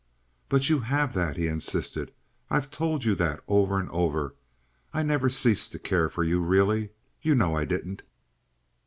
"But you have that," he insisted. "I've told you that over and over. I never ceased to care for you really. You know I didn't."